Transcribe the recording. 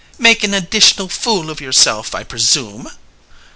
"Make an additional fool of yourself, I presume."